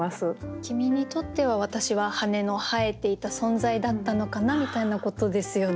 「きみ」にとっては私は羽根の生えていた存在だったのかなみたいなことですよね。